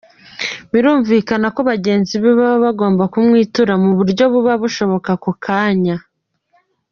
Birumvikana ko bagenzi be baba bagomba kumwitura mu buryo buba bushoboka ako kanya.